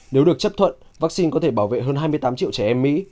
nếu được chấp thuận vaccine có thể bảo vệ hơn hai mươi tám triệu trẻ em mỹ